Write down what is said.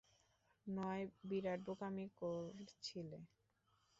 রয়, বিরাট বোকামি করছিলে।